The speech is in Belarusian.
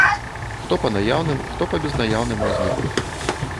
Хто па наяўным, хто па безнаяўным разліку.